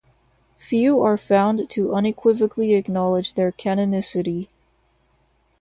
Few are found to unequivocally acknowledge their canonicity.